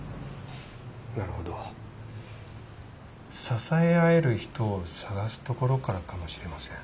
支え合える人を探すところからかもしれません。